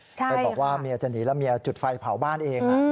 ไปบอกว่าเมียจะหนีแล้วเมียจุดไฟเผาบ้านเอง